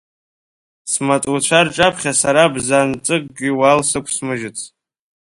Смаҵуцәа рҿаԥхьа сара бзанҵыкгьы уал сықәсмыжьыц.